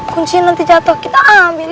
kuncin nanti jatoh kita ambil